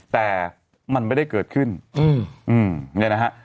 แต่มันไม่ได้เกิดขึ้นเนี่ยนะฮะ